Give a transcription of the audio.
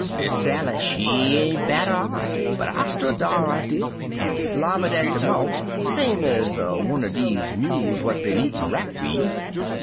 Miss Sally, she ain't bat 'er eye, but I stood dar, I did, an' slobbered at de mouf same ez wunner dese mules what bin eatin' rack weed.